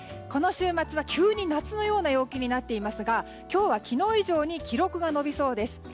この週末は急に夏のような陽気になっていますが今日は昨日以上に記録が伸びそうです。